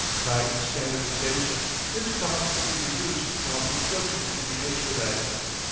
By standardisation its cost could be reduced while construction could be expedited.